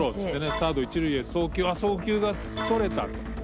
サード一塁へ送球あっ送球がそれたと。